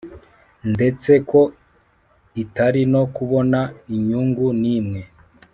Ndetse ko itari no kubona inyungu n imwe